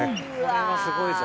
これはすごいぞ。